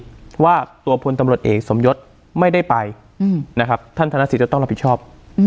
เต้นว่าตัวพลฯตำรวจเอกสมยศไม่ได้ไปท่านทนาศิษฐ์ก็ต้องรับผิดชอบ